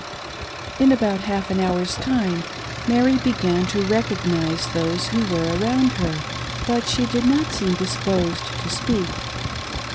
In about half an hour's time, Mary began to recognise those who were around her, but she did not seem disposed to speak.